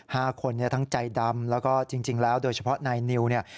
ห้าคนเนี่ยทั้งใจดำแล้วก็จริงจริงแล้วโดยเฉพาะนายนิวเนี่ย